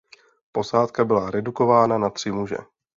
Posádka byla redukována na tři muže.